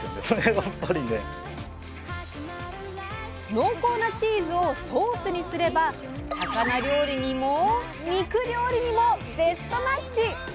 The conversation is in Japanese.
濃厚なチーズをソースにすれば魚料理にも肉料理にもベストマッチ！